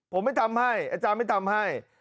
ผมไม่ทำให้อาจารย์ไม่ทำให้